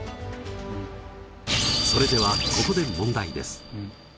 それではここで問題です。